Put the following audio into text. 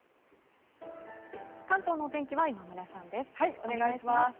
関東のお天気は今村さんです、お願いします。